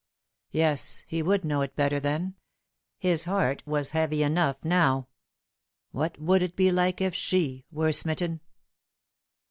Yes, he would know it better then. His heart was heavy enough now. What would it be like if ske were smitten